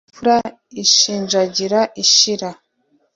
imfura ishinjagira ishira